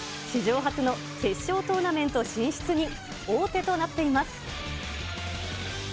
史上初の決勝トーナメント進出に王手となっています。